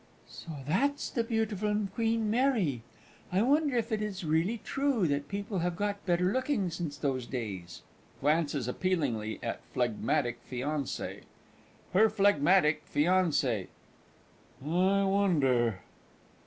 So that's the beautiful Queen Mary! I wonder if it is really true that people have got better looking since those days? [Glances appealingly at PHLEGMATIC FIANCÉ. HER PHLEGMATIC FIANCÉ. I wonder.